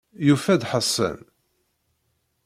Yufa-d Ḥasan.